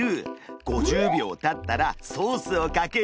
５０秒たったらソースをかける」にしよう！